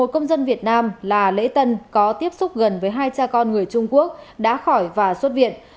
một công dân việt nam là lễ tân có tiếp xúc gần với hai cha con người trung quốc đã khỏi và xuất viện